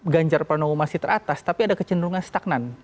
ganjar pranowo masih teratas tapi ada kecenderungan stagnan